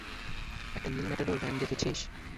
একটা নীল matador van দেখেছিস?